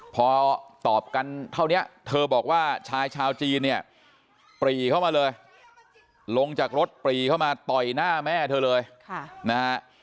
พอตอบกันเท่านี้เธอบอกว่าชายชาวจีนเนี่ยปรีเข้ามาเลยลงจากรถปรีเข้ามาต่อยหน้าแม่เธอเลยนะฮะ